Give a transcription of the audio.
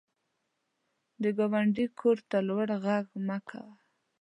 د ګاونډي کور ته لوړ غږ مه کوه